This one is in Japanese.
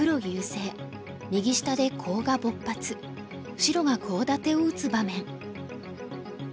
白がコウ立てを打つ場面。